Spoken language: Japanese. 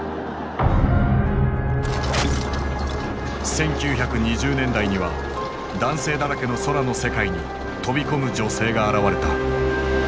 １９２０年代には男性だらけの空の世界に飛び込む女性が現れた。